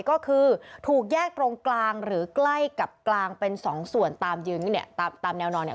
ก็คือถูกแยกตรงกลางหรือใกล้กับกลางเป็น๒ส่วนตามแนวนอนเนี่ย